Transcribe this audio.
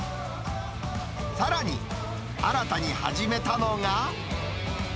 さらに、新たに始めたのが。